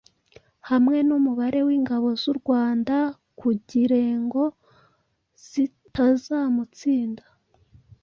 hamwe n’umubare w’ingabo z’u Rwanda kugirengo zitazamutsinda,